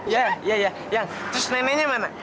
iya iya iya yang terus neneknya mana